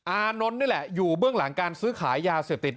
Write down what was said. อานนท์นี่แหละอยู่เบื้องหลังการซื้อขายยาเสพติด